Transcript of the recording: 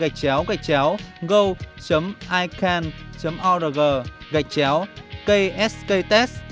gạch cháo gạch cháo go icann org gạch cháo ksktest